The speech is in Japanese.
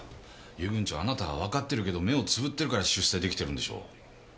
遊軍長あなたはわかってるけど目をつぶってるから出世できてるんでしょう。